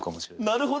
なるほど。